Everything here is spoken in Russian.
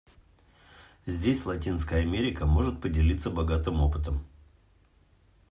Здесь Латинская Америка может поделиться богатым опытом.